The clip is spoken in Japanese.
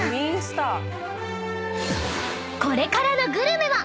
［これからのグルメは］